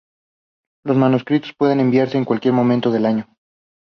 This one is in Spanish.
Los manuscritos pueden enviarse en cualquier momento del año.